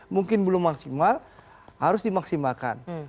mungkin belum maksimal harus dimaksimalkan